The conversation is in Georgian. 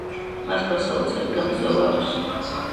მას გასაოცარი გამძლეობა აქვს.